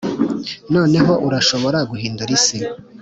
noneho urashobora guhindura isi.